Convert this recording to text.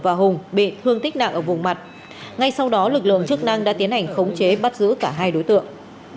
và hùng bị thương tích nặng ở vùng mặt ngay sau đó lực lượng chức năng đã tiến hành khống chế bắt giữ cả hai đối tượng